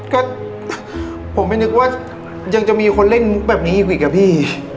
ก็ผมไม่นึกว่ายังจะมีคนเล่นมุกแบบนี้อีกอะพี่